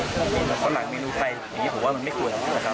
เมนูข้างหลังเมนูใสอย่างนี้ผมว่ามันไม่ควรนะครับ